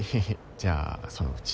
じゃあそのうち。